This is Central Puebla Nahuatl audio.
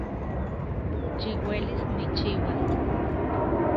Yiuelis nikchiuas